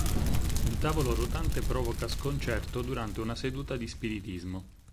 Un tavolo rotante provoca sconcerto durante una seduta di spiritismo.